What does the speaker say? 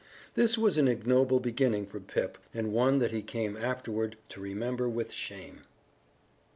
This was an ignoble beginning for Pip and one that he came afterward to remember with shame!